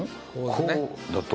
こうだと。